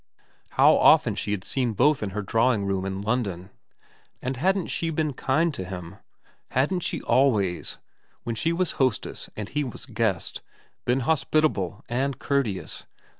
How often she had seen both in her drawing room in London. And hadn't she been kind to him ? Hadn't she always, when she was hostess and he was guest, been hospitable and courteous